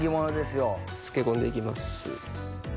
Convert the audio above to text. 漬け込んで行きます。